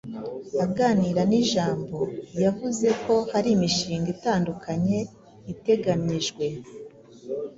Aganira n’Ijambo yavuze ko hari imishinga itandukanye iteganyijwe